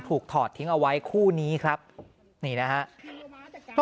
ถอดทิ้งเอาไว้คู่นี้ครับนี่นะครับ